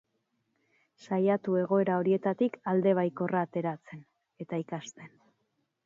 Saiatu egoera horietatik alde baikorra ateratzen, eta ikasten.